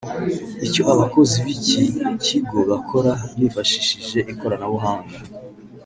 Icyo abakozi b’iki kigo bakora bifashishije ikoranabuhanga